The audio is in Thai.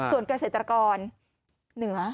ส่วนเกษตรกรเหนือ